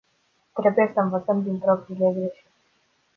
Trebuie să învățăm din propriile greșeli.